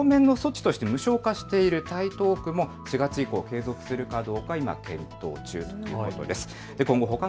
すでに当面の措置として無償化している台東区も４月以降、継続するかどうか今、検討中とのことです。